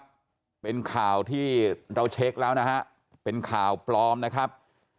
ครับเป็นข่าวที่เราเช็คแล้วนะฮะเป็นข่าวปลอมนะครับ